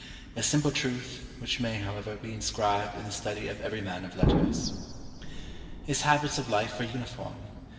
A simple truth, which may, however, be inscribed in the study of every man of letters. His habits of life were uniform.